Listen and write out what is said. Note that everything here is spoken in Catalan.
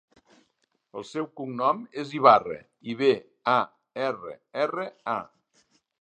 El seu cognom és Ibarra: i, be, a, erra, erra, a.